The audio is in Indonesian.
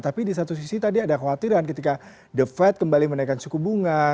tapi di satu sisi tadi ada khawatiran ketika the fed kembali menaikkan suku bunga